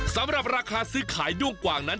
สำหรับราคาซื้อขายด้วงกว่างนั้น